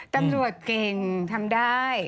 ตำรวจเก่งทำได้